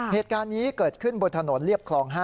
เหตุการณ์นี้เกิดขึ้นบนถนนเรียบคลอง๕